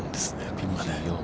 ピンまで。